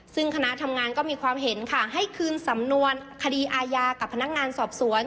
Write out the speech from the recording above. ซึ่งคณะทำงานก็มีความเห็นค่ะให้คืนสำนวนคดีอาญากับพนักงานสอบสวน